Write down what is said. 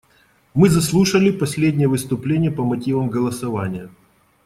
Мы заслушали последнее выступление по мотивам голосования.